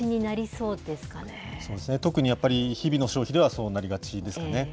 そうですね、特にやっぱり、日々の消費では、そうなりがちですかね。